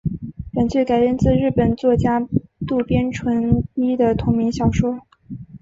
本剧改编自日本作家渡边淳一的同名小说。